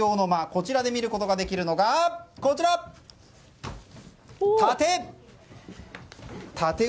こちらで見ることができるのが殺陣。